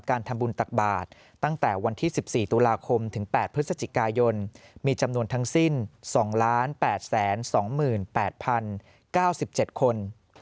การทำบุญตักบาทตั้งแต่วันที่๑๔ตุลาคมถึง๘พฤศจิกายนมีจำนวนทั้งสิ้น๒๘๒๘๐๙๗คน